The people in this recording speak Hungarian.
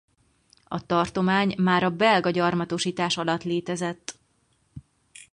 A tartomány már a belga gyarmatosítás alatt létezett.